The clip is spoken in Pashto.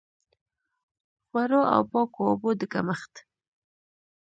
خوړو او پاکو اوبو د کمښت.